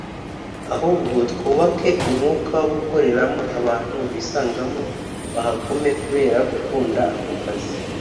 ahubwo twubake umwuka wo gukoreramo abantu bisangamo bahagume kubera gukunda ako kazi